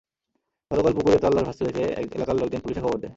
গতকাল পুকুরে তাঁর লাশ ভাসতে দেখে এলাকার লোকজন পুলিশে খবর দেয়।